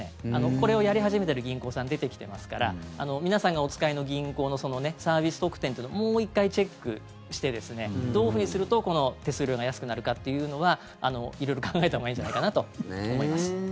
これをやり始めてる銀行さん出てきてますから皆さんがお使いの銀行のサービス特典とかもう１回チェックしてどういうふうにすると手数料が安くなるかっていうのは色々考えたほうがいいんじゃないかなと思います。